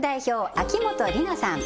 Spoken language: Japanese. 秋元里奈さん